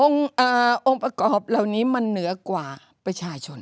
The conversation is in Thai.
องค์ประกอบเหล่านี้มันเหนือกว่าประชาชน